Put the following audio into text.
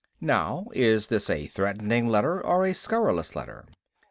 Now, is this a threatening letter or a scurrilous letter?"